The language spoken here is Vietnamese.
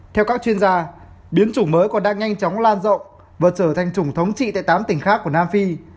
theo các chuyên gia biến chủng mới còn đang nhanh chóng lan rộng và trở thành chủng thống trị tại tám tỉnh khác của nam phi